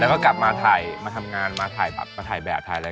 แล้วก็กลับมาถ่ายมาทำงานมาถ่ายมาถ่ายแบบถ่ายอะไร